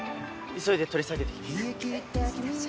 急いで取り下げてきます。